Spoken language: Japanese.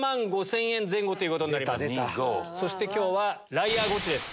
そして今日はライアーゴチです。